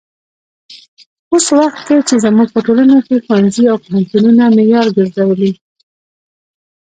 اوس وخت کې چې زموږ په ټولنه کې ښوونځي او پوهنتونونه معیار ګرځولي.